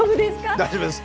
大丈夫ですか？